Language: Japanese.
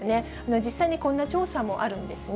実際にこんな調査もあるんですね。